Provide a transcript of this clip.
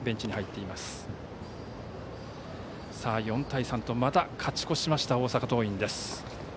４対３とまた勝ち越しました大阪桐蔭です。